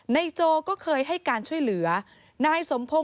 ที่มันก็มีเรื่องที่ดิน